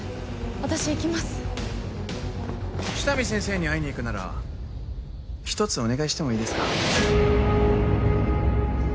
私行きます喜多見先生に会いに行くなら一つお願いしてもいいですか？